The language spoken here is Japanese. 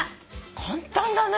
簡単だね。